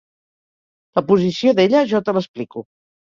La posició d’ella jo te l’explico.